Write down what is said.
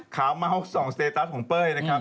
ข่าวเพาสตรีต้าสของเป้ยนะครับ